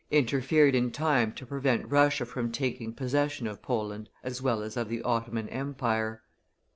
interfered in time to prevent Russia from taking possession of Poland as well as of the Ottoman empire.